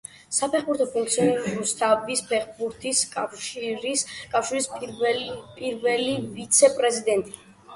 საფეხბურთო ფუნქციონერი, რუსეთის ფეხბურთის კავშირის პირველი ვიცე-პრეზიდენტი.